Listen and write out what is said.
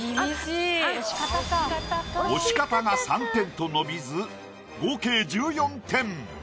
押し方が３点と伸びず合計１４点。